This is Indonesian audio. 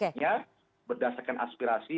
yang berdasarkan aspirasi